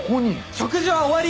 食事は終わり！